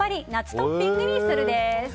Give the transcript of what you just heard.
トッピングにするです。